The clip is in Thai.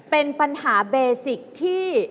เป็นปัญหาเบสิกที่